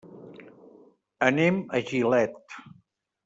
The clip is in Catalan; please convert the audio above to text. Anem a Gilet.